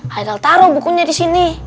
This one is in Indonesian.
haikal taruh bukunya disini